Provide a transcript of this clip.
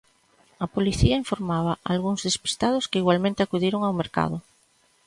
A policía informaba algúns despistados que igualmente acudiron ao mercado.